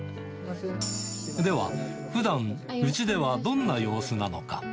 ではふだん、うちではどんな様子なのか。